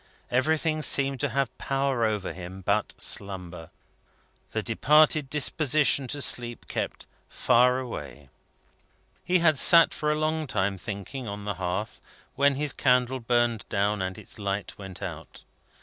Everything seemed to have power over him but slumber. The departed disposition to sleep kept far away. He had sat for a long time thinking, on the hearth, when his candle burned down and its light went out.